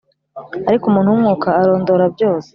Ariko umuntu w'Umwuka arondora byose,